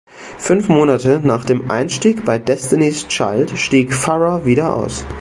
Fünf Monate nach dem Einstieg bei Destiny’s Child stieg Farrah wieder aus.